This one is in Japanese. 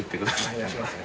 お願いします。